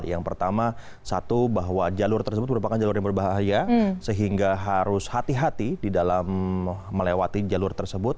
yang pertama satu bahwa jalur tersebut merupakan jalur yang berbahaya sehingga harus hati hati di dalam melewati jalur tersebut